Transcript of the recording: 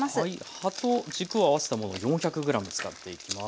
葉と軸を合わせたものを４００ｇ使っていきます。